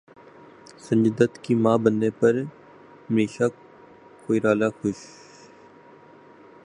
سنجے دت کی ماں بننے پرمنیشا کوئرالا خوش